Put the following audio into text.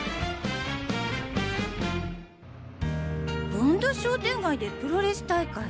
盆土商店街でプロレス大会。